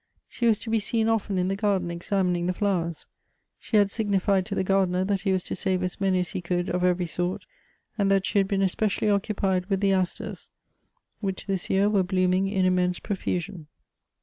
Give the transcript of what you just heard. She was to be seen often in the garden examining the flowers ; she had signified to the gardener that he was to save as many as he could of every sort, and that she had been especially occupied with the asters, which this year were blooming in immense profusion.